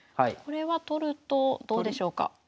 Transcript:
これは取るとどうでしょうか？